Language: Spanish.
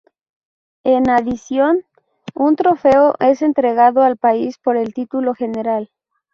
En adición, un trofeo es entregado al país por el título general.